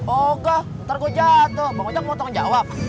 oga ntar gue jatuh bangun aja gue mau tonton jawab